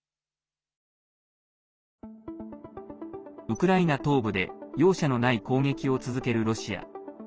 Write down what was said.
ウクライナ東部で容赦のない攻撃を続けるロシア。